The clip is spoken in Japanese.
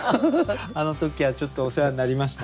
あの時はちょっとお世話になりました。